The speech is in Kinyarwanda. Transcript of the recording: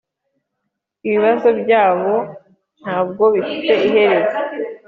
Ibibazo byabo ntabwo bifite iherezo